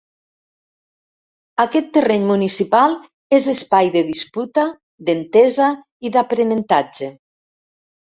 Aquest terreny municipal és espai de disputa, d'entesa i d'aprenentatge.